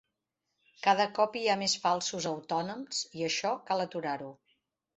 Cada cop hi ha més falsos autònoms i això cal aturar-ho.